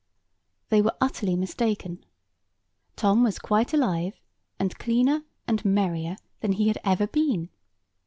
They were utterly mistaken. Tom was quite alive; and cleaner, and merrier, than he ever had been.